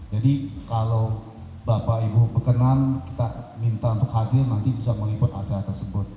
jadi kalau bapak ibu bekenang kita minta untuk hadir nanti bisa mengikut acara tersebut